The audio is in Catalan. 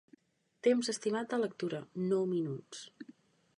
Temps estimat de lectura: nou minuts.